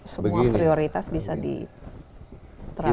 semua prioritas bisa diterapkan